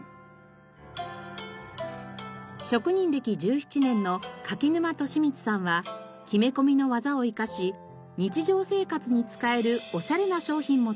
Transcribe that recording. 職人歴１７年の柿沼利光さんは木目込みの技を生かし日常生活に使えるおしゃれな商品も作っています。